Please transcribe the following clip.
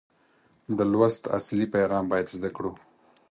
د لوست اصلي پیغام باید زده کړو.